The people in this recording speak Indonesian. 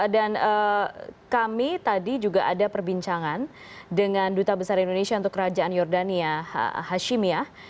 dan kami tadi juga ada perbincangan dengan duta besar indonesia untuk kerajaan jordania hashimiyah